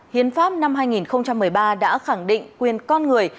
hiến pháp năm hai nghìn một mươi ba đã khẳng định quyền con người